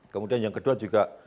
kemudian yang kedua juga